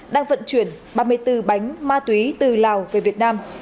đang vận chuyển ba mươi bốn bánh ma túy từ lào về việt nam